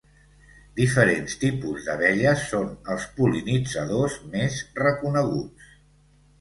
Diferents tipus d'abelles són els pol·linitzadors més reconeguts.